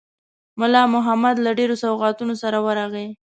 مُلا محمد له ډېرو سوغاتونو سره ورغی.